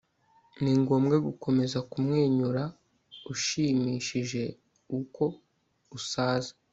ni ngombwa gukomeza kumwenyura ushimishije uko usaza